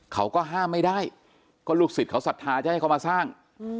เขาก็ห้ามไม่ได้ก็ลูกศิษย์เขาศรัทธาจะให้เขามาสร้าง